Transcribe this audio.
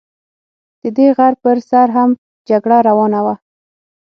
د دې غر پر سر هم جګړه روانه وه.